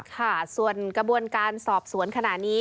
ค่ะส่วนกระบวนการสอบสวนขณะนี้